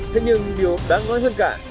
thế nhưng điều đáng nói hơn cả